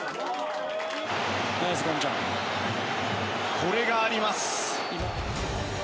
これがあります。